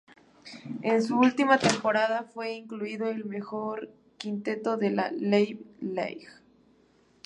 En su última temporada fue incluido en el mejor quinteto de la Ivy League.